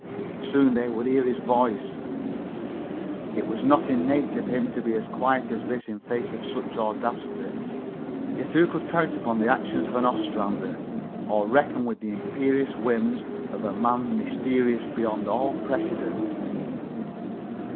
Soon they would hear his voice. It was not in nature for him to be as quiet as this in face of such audacity. Yet who could count upon the actions of an Ostrander, or reckon with the imperious whims of a man mysterious beyond all precedent?